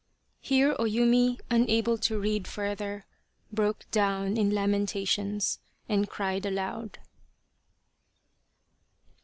Here O Yumi, unable to read further, broke down in lamentations and cried aloud.